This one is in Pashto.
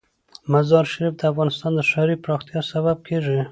مزارشریف د افغانستان د ښاري پراختیا سبب کېږي.